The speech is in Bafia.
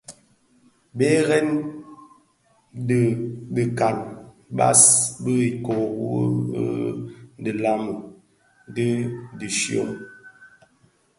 Belem dhi tikaň bas bi iköö wu dhilami, bi dhishyon,